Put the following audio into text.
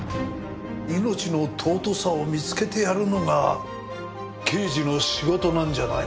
命の尊さを見つけてやるのが刑事の仕事なんじゃないのか？